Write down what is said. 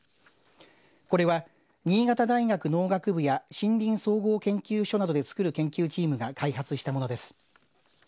これは新潟大学農学部や森林総合研究所などで作る研究チームが開発したものです。